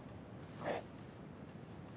えっ？